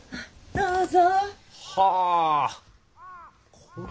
どうぞ。